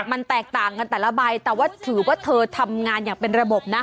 มันแตกต่างกันแต่ละใบแต่ว่าถือว่าเธอทำงานอย่างเป็นระบบนะ